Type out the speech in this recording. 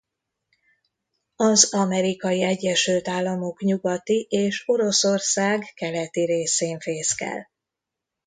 Az Amerikai Egyesült Államok nyugati és Oroszország keleti részén fészkel.